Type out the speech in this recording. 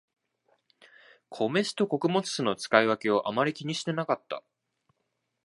米酢と穀物酢の使い分けをあまり気にしてなかった